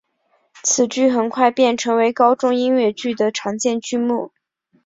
此剧很快便成为高中音乐剧的常见剧目。